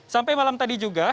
sampai malam tadi juga